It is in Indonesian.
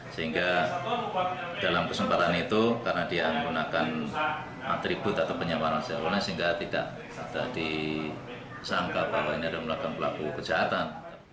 sehingga dalam kesempatan itu karena dia menggunakan atribut atau penyamparan secara online sehingga tidak ada disangka bahwa ini adalah melakukan pelaku kejahatan